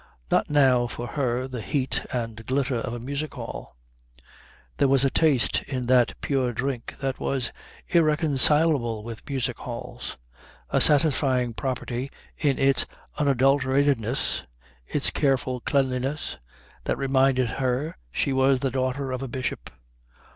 Not now for her the heat and glitter of a music hall. There was a taste in that pure drink that was irreconcilable with music halls, a satisfying property in its unadulteratedness, its careful cleanliness, that reminded her she was the daughter of a bishop.